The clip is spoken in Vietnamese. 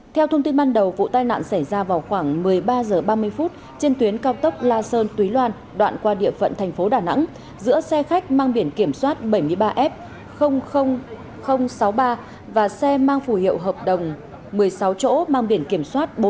theo thông tin ban đầu vụ tai nạn xảy ra vào khoảng một mươi ba h ba mươi trên tuyến cao tốc la sơn tuy loan đoạn qua địa phận thành phố đà nẵng giữa xe khách mang biển kiểm soát bảy mươi ba f sáu mươi ba và xe mang phủ hiệu hợp đồng một mươi sáu chỗ mang biển kiểm soát bốn mươi ba b bốn nghìn ba trăm chín mươi bốn